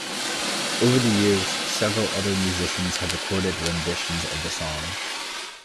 Over the years, several other musicians have recorded renditions of the song.